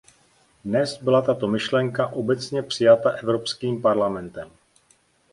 Dnes byla tato myšlenka obecně přijata Evropským parlamentem.